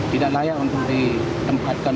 tidak layak untuk ditempatkan